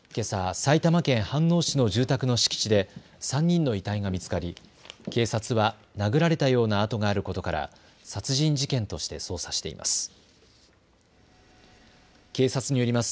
埼玉県飯能市の住宅の敷地で３人の遺体が見つかり警察は殴られたような痕があることから殺人事件として捜査しています。